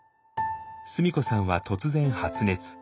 須美子さんは突然発熱。